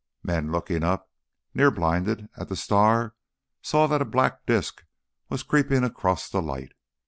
Men looking up, near blinded, at the star, saw that a black disc was creeping across the light.